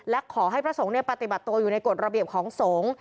และขอให้พระสงฆ์ปฏิบัติตัวอยู่ในกฎระเบียบของสงฆ์